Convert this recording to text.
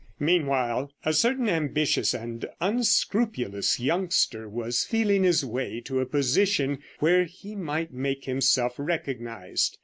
Meanwhile a certain ambitious and unscrupulous youngster was feeling his way to a position where he might make himself recognized.